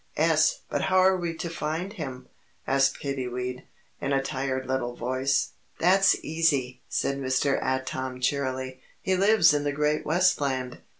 "'Es, but how are we to find him?" asked Kiddiwee, in a tired little voice. "That's easy," said Mr. Atom cheerily. "He lives in the Great West Land."